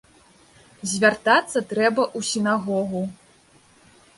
Звяртацца трэба ў сінагогу.